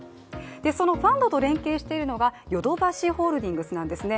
そのファンドと連携してるのが、ヨドバシホールディングスなんですね。